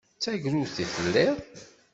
D tagrudt i telliḍ.